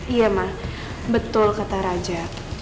iya mah betul kata raja